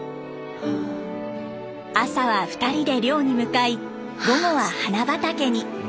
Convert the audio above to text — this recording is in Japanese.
朝は２人で漁に向かい午後は花畑に。